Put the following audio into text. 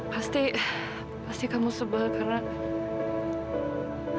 pasti pasti kamu seber karena